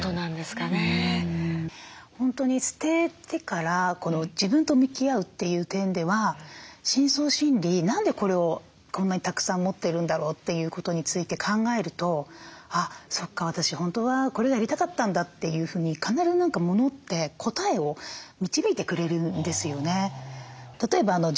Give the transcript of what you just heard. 本当に捨ててから自分と向き合うという点では深層心理何でこれをこんなにたくさん持っているんだろうということについて考えると「あっそっか私本当はこれやりたかったんだ」というふうに必ずモノって答えを導いてくれるんですよね。